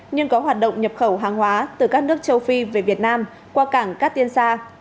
nhưng có hoạt động nhập khẩu hàng hóa từ các nước châu phi về việt nam qua cảng cát tiên sa